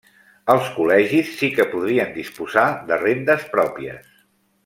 Els col·legis sí que podrien disposar de rendes pròpies.